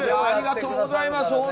ありがとうございます。